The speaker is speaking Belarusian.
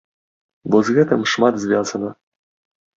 Бо з гэтым шмат звязана.